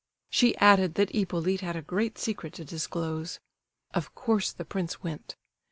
She added that Hippolyte had a great secret to disclose. Of course the prince went.